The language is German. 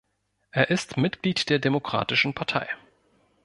Er ist Mitglied der Demokratischen Partei.